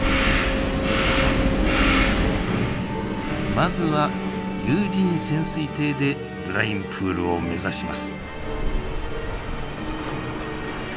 まずは有人潜水艇でブラインプールを目指します。